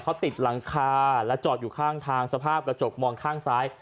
เขาติดหลังคาและจอดอยู่ข้างทางสภาพกระจกมองข้างซ้าย